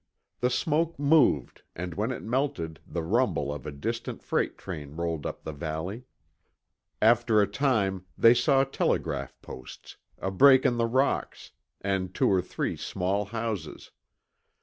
The smoke moved and when it melted the rumble of a distant freight train rolled up the valley. After a time, they saw telegraph posts, a break in the rocks, and two or three small houses.